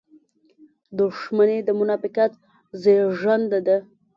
• دښمني د منافقت زېږنده ده.